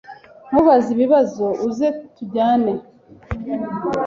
Ntubaze ibibazo, uze tujyane.